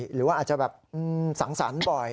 หรือว่าอาจจะแบบสังสรรค์บ่อย